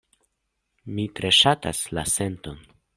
Mi tre ŝatas la senton.